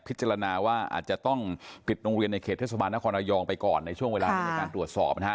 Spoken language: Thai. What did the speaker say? พิจารณาว่าอาจจะต้องปิดโรงเรียนในเขตเทศบาลนครระยองไปก่อนในช่วงเวลานี้ในการตรวจสอบนะฮะ